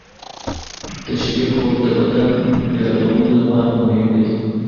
د شپې خوب د بدن بیارغونې لپاره مهم دی.